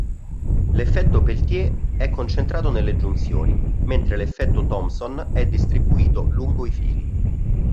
L'effetto Peltier è concentrato nelle giunzioni, mentre l'effetto Thomson è distribuito lungo i fili.